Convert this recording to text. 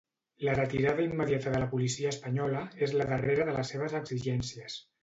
La retirada immediata de la policia espanyola és la darrera de les seves exigències.